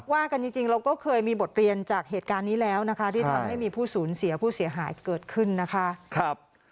ว่ากันจริงเราก็เคยมีบทเรียนจากเหตุการณ์นี้แล้วนะคะ